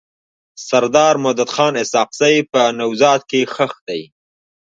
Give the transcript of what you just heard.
سردار مددخان اسحق زی په نوزاد کي ښخ دی.